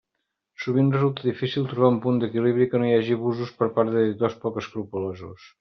Sovint resulta difícil trobar un punt d'equilibri i que no hi hagi abusos per part d'editors poc escrupolosos.